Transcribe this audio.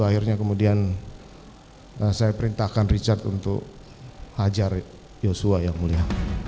akhirnya kemudian saya perintahkan richard untuk hajar yosua yang mulia